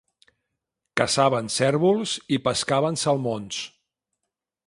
Caçaven cérvols i pescaven salmons.